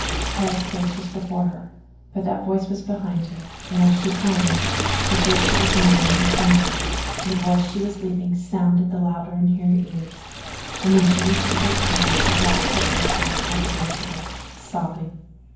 Hale's face was before her, but that voice was behind, and as she climbed, the face that she was nearing grew fainter, the voice she was leaving sounded the louder in her ears, and when she reached the big Pine she dropped helplessly at the base of it, sobbing.